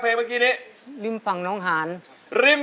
เพลงนี้อยู่ในอาราบัมชุดแรกของคุณแจ็คเลยนะครับ